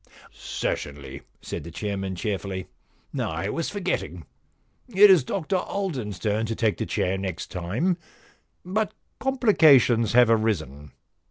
* Certainly,* said the chairman cheerfully. * I was forgetting. It is Dr Alden's turn to take the chair next time, but complications have arisen.